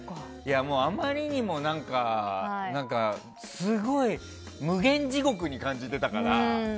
あまりにも何か、すごい無間地獄に感じてたから。